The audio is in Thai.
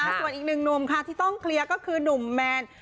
ส่วนอีกหนึ่งหนุ่มค่ะที่ต้องเคลียร์ก็คือหนุ่มแมน